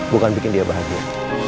bukan bikin dia bahagia